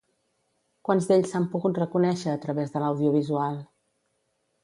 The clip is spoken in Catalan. Quants d'ells s'han pogut reconèixer a través de l'audiovisual?